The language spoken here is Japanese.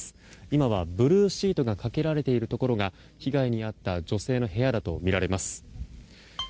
今はブルーシートがかけられているところが被害に遭った女性の部屋だとみられます。